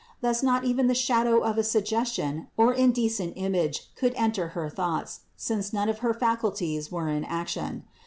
Thus not even the shadow of a suggestion or indecent image could enter her thoughts, since none of her faculties were in action.